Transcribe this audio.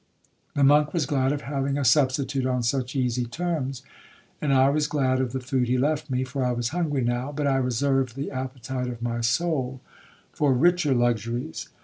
The monk was glad of having a substitute on such easy terms, and I was glad of the food he left me, for I was hungry now, but I reserved the appetite of my soul for richer luxuries.